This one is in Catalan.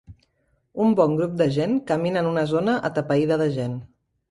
Un bon grup de gent camina en una zona atapeïda de gent.